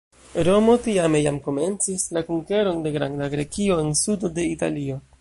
Romo, tiame, jam komencis la konkeron de Granda Grekio en sudo de Italio.